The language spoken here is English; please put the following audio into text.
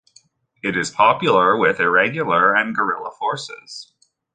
It is popular with irregular and guerrilla forces.